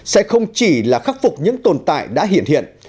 sẽ không chỉ là khắc phục những tồn tại đã hiện hiện